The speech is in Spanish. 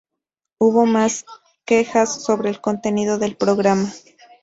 Hubo más quejas sobre el contenido del programa.